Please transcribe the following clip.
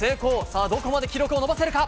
さあ、どこまで記録を伸ばせるか。